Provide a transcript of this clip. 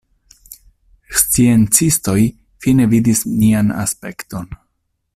Sciencistoj fine vidis nian aspekton.